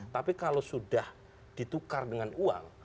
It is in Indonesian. tapi kalau sudah ditukar dengan uang